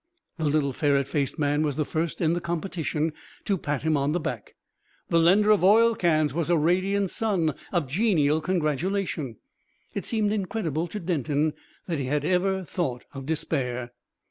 The little ferret faced man was the first in the competition to pat him on the back. The lender of oil cans was a radiant sun of genial congratulation.... It seemed incredible to Denton that he had ever thought of despair.